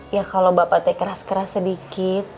ya kalau bapak saya keras keras sedikit